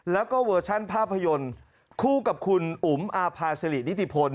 แล้วก็เวอร์ชันภาพยนตร์คู่กับคุณอุ๋มอาภาษิรินิติพล